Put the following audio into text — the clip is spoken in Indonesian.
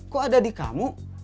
kok ada di kamu